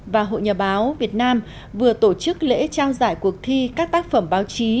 và hội nhà báo việt nam vừa tổ chức lễ trao giải cuộc thi các tác phẩm báo chí